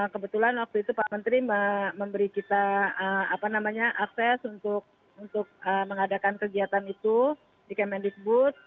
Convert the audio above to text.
kebetulan waktu itu pak menteri memberi kita akses untuk mengadakan kegiatan itu di kemendikbud